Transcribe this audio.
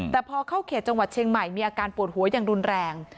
แต่พอเข้าเขตจังหวัดเชียงใหม่มีอาการปวดหัวอย่างรุนแรง